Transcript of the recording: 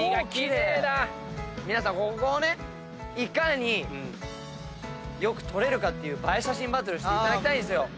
皆さんここをねいかに良く撮れるかっていう映え写真バトルしていただきたい。